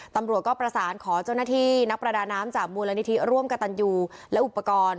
ตำรวจก็ประสานขอเจ้าหน้าที่นักประดาน้ำจากมูลนิธิร่วมกับตันยูและอุปกรณ์